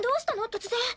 突然。